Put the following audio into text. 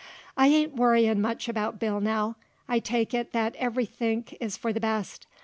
I ain't worryin' much about Bill now; I take it that everythink is for the best.